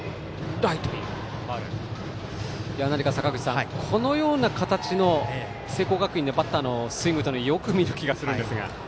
坂口さん、このような形の聖光学院のバッターのスイングをよく見る気がしますが。